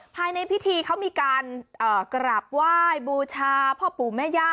ภายในพิธีเขามีการกราบไหว้บูชาพ่อปู่แม่ย่า